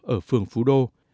ở phường phú đô